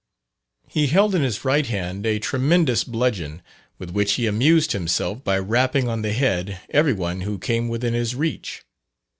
He held in his right hand a tremendous bludgeon, with which he amused himself by rapping on the head every one who came within his reach.